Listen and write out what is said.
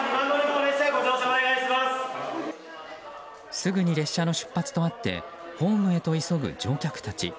すぐに列車の出発とあってホームへと急ぐ乗客たち。